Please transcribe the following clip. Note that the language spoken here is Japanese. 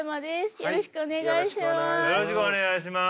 よろしくお願いします。